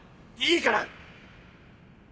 いいから！